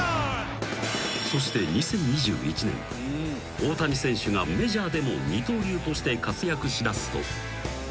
［大谷選手がメジャーでも二刀流として活躍しだすと］